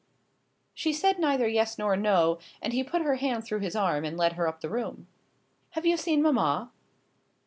She said neither yes nor no, and he put her hand through his arm and led her up the room. "Have you seen mamma?"